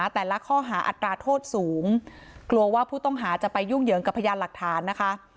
แต่ละข้อหาอัตราโทษสูงกลัวว่าผู้ต้องหาจะไปยุ่งเหยิงกับพยานหลักฐานนะคะ